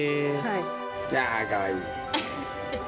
あー、かわいい。